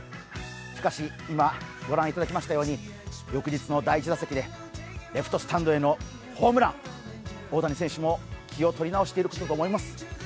しかし、今御覧いただきましたように翌日の第１打席でレフトスタンドへのホームラン、大谷選手も気を取り直していることと思います。